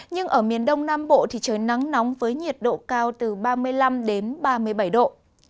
nhưng ở miền đông nam bộ thì trời nắng nóng với nhiệt độ cao từ ba mươi năm đến ba mươi bảy độ